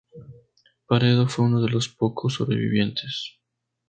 Peredo fue uno de los pocos sobrevivientes.